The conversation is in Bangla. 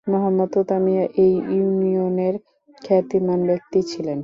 মো: তোতা মিয়া এই ইউনিয়নের খ্যাতিমান ব্যক্তি ছিলেন।